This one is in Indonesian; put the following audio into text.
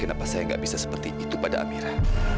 kenapa saya nggak bisa seperti itu pada amira